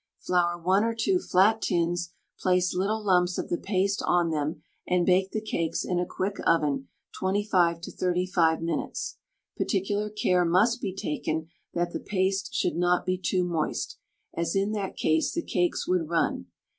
Flour 1 or 2 flat tins, place little lumps of the paste on them, and bake the cakes in a quick oven 25 to 35 minutes. Particular care must be taken that the paste should not be too moist, as in that case the cakes would run.